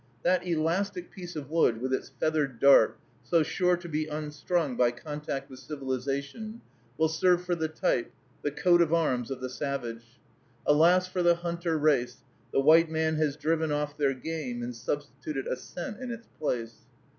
That elastic piece of wood with its feathered dart, so sure to be unstrung by contact with civilization, will serve for the type, the coat of arms of the savage. Alas for the Hunter Race! the white man has driven off their game, and substituted a cent in its place.